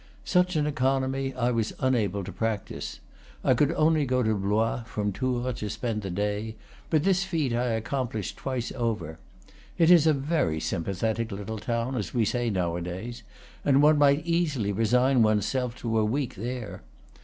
Such an economy I was unable to practise. I could only go to Blois (from Tours) to spend the day; but this feat I accomplished twice over. It is a very sympathetic little town, as we say nowadays, and one might easily resign one's self to a week there.